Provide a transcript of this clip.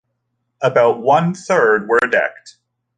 About one-third were decked.